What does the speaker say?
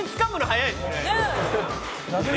「はい。